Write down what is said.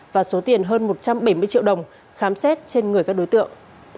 và số tiền hơn một trăm bảy mươi triệu đồng khám xét trên người các đối tượng